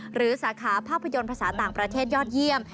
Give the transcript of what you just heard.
สาขาภาพยนตร์ภาษาต่างประเทศยอดเยี่ยม